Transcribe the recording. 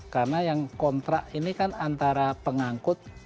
karena yang kontrak ini kan antara pengangkut